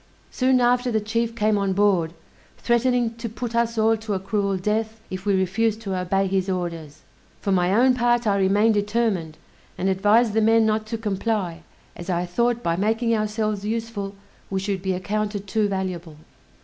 Soon after the chief came on board, threatening to put us all to a cruel death if we refused to obey his orders. For my own part I remained determined, and advised the men not to comply, as I thought by making ourselves useful we should be accounted too valuable.